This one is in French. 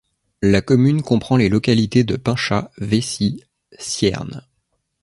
La commune comprend les localités de Pinchat, Vessy, Sierne.